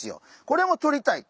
これをとりたい。